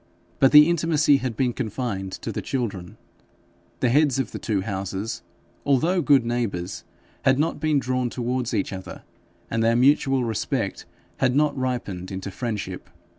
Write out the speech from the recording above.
But the intimacy had been confined to the children; the heads of the two houses, although good neighbours, had not been drawn towards each other, and their mutual respect had not ripened into friendship.